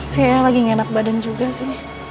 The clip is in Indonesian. saya lagi ngenap badan juga sih